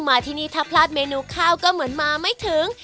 มาที่นี่ถ้าพลาดเมนูข้าวก็เหมือนมาไม่ถึง